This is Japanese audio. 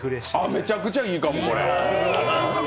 めちゃくちゃいいかも、これ！